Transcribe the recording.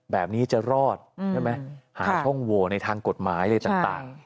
แบบนี้จะรอดใช่ไหมหาช่องโหวในทางกฎหมายอะไรต่าง